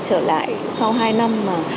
trở lại sau hai năm